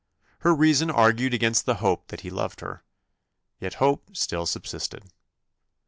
Her reason argued against the hope that he loved her; yet hope still subsisted.